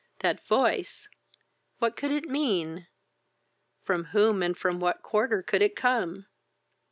That voice! what could it mean? from whom, and from what quarter could it come?